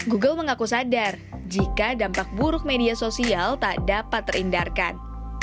google mengaku sadar jika dampak buruk media sosial tak dapat terhindarkan